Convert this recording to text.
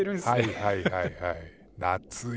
はいはいはいはい。